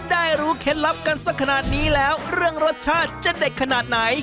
ได้รู้เคล็ดลับกันสักขนาดนี้แล้วเรื่องรสชาติจะเด็ดขนาดไหน